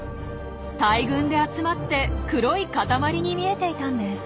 大群で集まって黒い塊に見えていたんです。